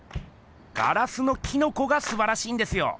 ガラスのキノコがすばらしいんですよ。